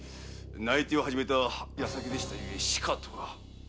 内偵を始めた矢先でしたゆえしかとは。